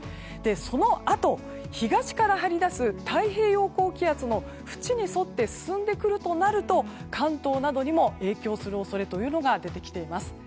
そのあと、東から張り出す太平洋高気圧も縁に沿って進んでくるとなると関東などにも影響する恐れというのが出てきています。